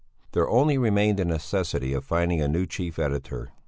There only remained the necessity of finding a new chief editor.